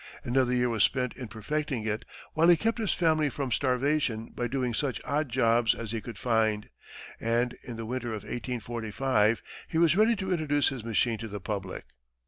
Another year was spent in perfecting it, while he kept his family from starvation by doing such odd jobs as he could find, and in the winter of 1845, he was ready to introduce his machine to the public.